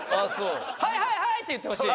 「はいはいはい！」って言ってほしい。